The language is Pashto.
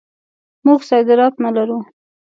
موږ صادرات نه لرو.